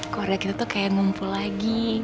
korea kita tuh kayak ngumpul lagi